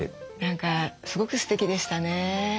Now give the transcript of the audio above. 何かすごくすてきでしたね。